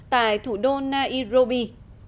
tại thủ đô nairobi